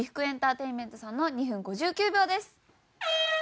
エンターテイメントさんの２分５９秒です。